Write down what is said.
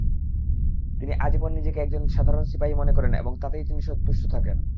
তিনি আজীবন নিজেকে একজন সাধারণ সিপাহী মনে করেন এবং তাতেই তিনি তুষ্ট থাকেন।